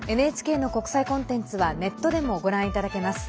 の国際コンテンツはネットでもご覧いただけます。